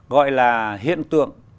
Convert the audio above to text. gọi là hiện tượng